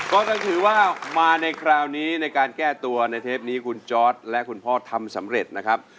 ก็ต้องถือว่ามาในคราวนี้ในการแก้ตัวในเทปนี้คุณจอร์ดและคุณพ่อทำสำเร็จนะครับ